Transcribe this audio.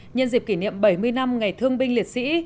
nhân dịp kỷ niệm bảy mươi năm ngày thương binh liệt sĩ